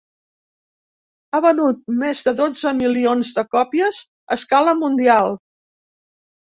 Ha venut més de dotze milions de còpies a escala mundial.